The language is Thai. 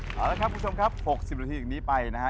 เอาละครับคุณผู้ชมครับ๖๐นาทีอย่างนี้ไปนะฮะ